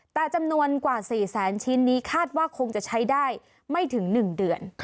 แต่จำนวนกว่า๔แสนชิ้นนี้คาดว่าคงจะใช้ได้ไม่ถึง๑เดือน